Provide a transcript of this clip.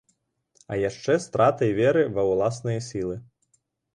А яшчэ стратай веры ва ўласныя сілы.